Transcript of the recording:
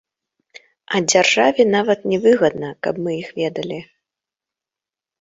А дзяржаве нават не выгадна, каб мы іх ведалі.